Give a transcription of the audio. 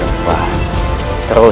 teruslah kakak berhenti menangani adikku